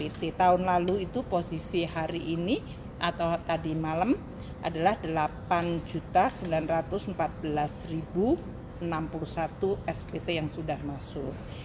jadi tahun lalu itu posisi hari ini atau tadi malam adalah rp delapan sembilan ratus empat belas enam puluh satu spt yang sudah masuk